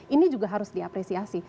ini juga harus diapresiasi